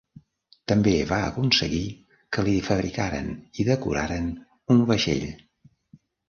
També va aconseguir que li fabricaren i decoraren un vaixell.